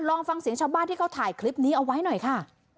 ลองฟังเสียงชาวบ้านที่เขาถ่ายคลิปนี้เอาไว้หน่อยค่ะ